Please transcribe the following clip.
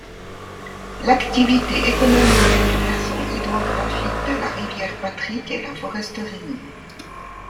L’activité économique du versant hydrographique de la Rivière Patrick est la foresterie.